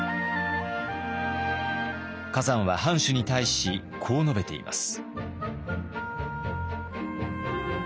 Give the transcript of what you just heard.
崋山は藩主に対しこう述べています。